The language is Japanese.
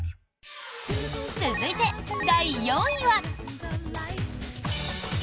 続いて、第４位は。